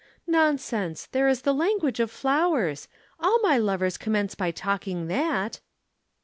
"Nonsense there is the language of flowers. All my lovers commence by talking that."